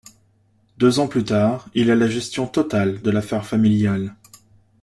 Deux ans, plus tard, il a la gestion totale de l'affaire familiale.